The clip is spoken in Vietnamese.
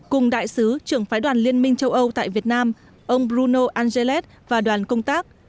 cùng đại sứ trưởng phái đoàn liên minh châu âu tại việt nam ông bruno angeles và đoàn công tác